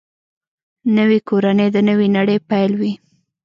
نوې کورنۍ د نوې نړۍ پیل وي